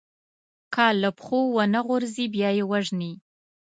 که له پښو ونه غورځي، بیا يې وژني.